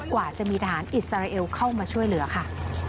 กว่าจะมีทหารอิสราเอลเข้ามาช่วยเหลือค่ะ